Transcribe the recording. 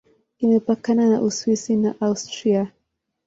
Imepakana na Uswisi na Austria.